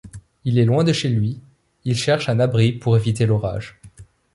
Il est loin de chez lui, il cherche un abri pour éviter l'orage.